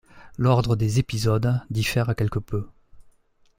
L'ordre des épisodes diffère quelque peu.